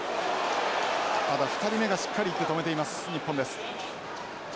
ただ２人目がしっかり止めています日本です。